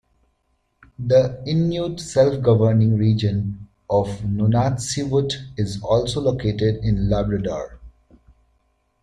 The Inuit self-governing region of Nunatsiavut is also located in Labrador.